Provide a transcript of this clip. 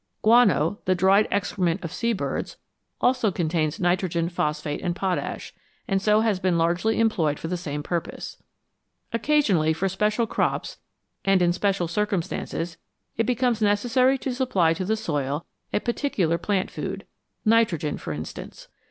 Guano, the dried excrement of sea birds, also contains nitrogen, phosphate, and potash, and so has been largely employed for the same purpose. Occasionally, for special crops and in special circumstances, it becomes necessary to supply to the soil a particular plant food nitrogen, for instance.